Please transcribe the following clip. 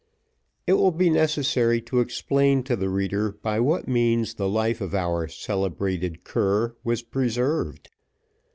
It will be necessary to explain to the reader by what means the life of our celebrated cur was preserved.